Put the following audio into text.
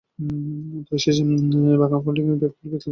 পরিশেষে বাগান Ferdinand Bac পরিকল্পিত বাগান পরিদর্শন করেন।